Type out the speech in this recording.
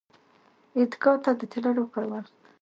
عیدګاه ته د تللو پر وخت